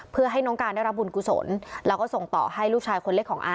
เพื่อให้น้องการได้รับบุญกุศลแล้วก็ส่งต่อให้ลูกชายคนเล็กของอา